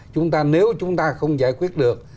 chúng ta nếu chúng ta không giải quyết được